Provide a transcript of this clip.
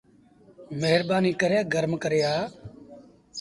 مهربآنيٚ ڪري گرم ڪري آ۔